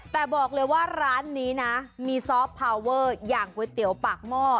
แต่บอกเลยว่าร้านนี้นะมีซอฟต์พาวเวอร์อย่างก๋วยเตี๋ยวปากหม้อ